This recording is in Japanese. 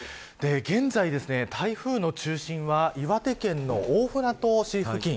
現在、台風の中心は岩手県の大船渡市付近。